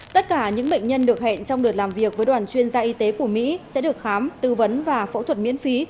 tất cả những bệnh nhân được hẹn trong đợt làm việc với đoàn chuyên gia y tế của mỹ sẽ được khám tư vấn và phẫu thuật miễn phí